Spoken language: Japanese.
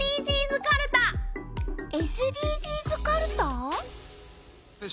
ＳＤＧｓかるた？